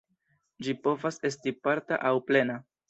Ĝi povas esti parta aŭ plena.